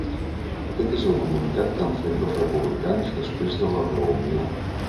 Aquest és el comunicat que han fet els republicans després de la reunió.